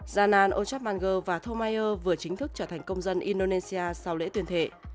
zanane ojapmangwe và tomaier vừa chính thức trở thành công dân indonesia sau lễ tuyển thệ